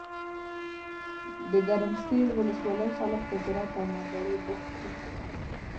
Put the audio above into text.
دګرمسیر ولسوالۍ خلګ په زراعت او مالدارۍ بوخت دي.